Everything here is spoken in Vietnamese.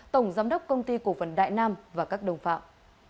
tổng giám đốc công ty cổ phần đại nam và các đồng phạm